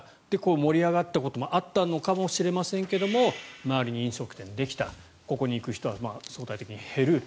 盛り上がったこともあったのかもしれませんが周りに飲食店ができたここに行く人は相対的に減る。